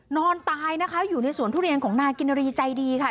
นอนตายนะคะอยู่ในสวนทุเรียนของนายกินรีใจดีค่ะ